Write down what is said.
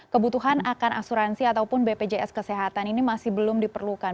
kebutuhan akan asuransi ataupun bpjs kesehatan ini masih belum diperlukan